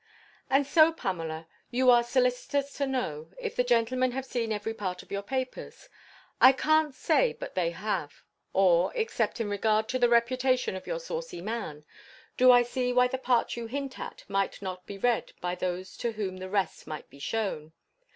_ And so, Pamela, you are solicitous to know, if the gentlemen have seen every part of your papers? I can't say but they have: nor, except in regard to the reputation of your saucy man, do I see why the part you hint at might not be read by those to whom the rest might be shewn.